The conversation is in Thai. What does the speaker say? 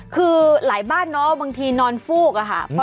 คือหลายบ้านเนาะบางทีนอนฟูกอะค่ะ